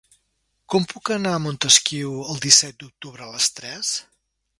Com puc anar a Montesquiu el disset d'octubre a les tres?